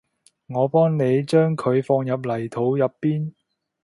我幫你將佢放入泥土入邊